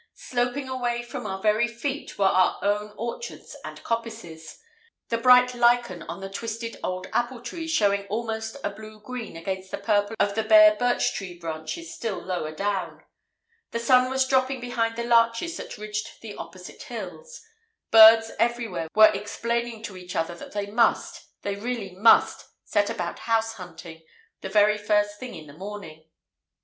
Sloping away from our very feet were our own orchards and coppices, the bright lichen on the twisted old apple trees showing almost a blue green against the purple of the bare birch tree branches still lower down. The sun was dropping behind the larches that ridged the opposite hills. Birds everywhere were explaining to each other that they must—they really must—set about house hunting the very first thing in the morning.